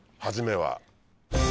初めは。